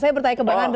oh ke saya